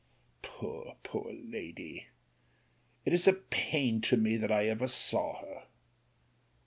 Poor, poor lady! It is a pain to me that I ever saw her.